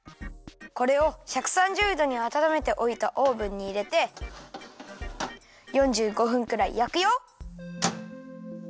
これを１３０どにあたためておいたオーブンにいれて４５分くらいやくよ。